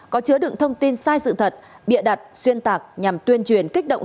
có chứa đựng thông tin sai sự thật bịa đặt xuyên tạc nhằm tuyên truyền kích động